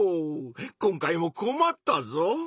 今回もこまったぞ！